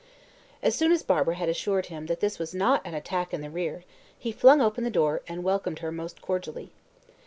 As soon as Barbara had assured him that this was not an attack in the rear, he flung open the door, and welcomed her most cordially.